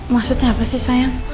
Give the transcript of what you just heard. maksudnya apa sih sayang